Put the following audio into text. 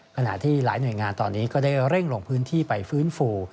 ขณะที่หลายหน่วยงานตอนนี้ก็ได้เร่งลงพื้นที่ไปฟื้นฟู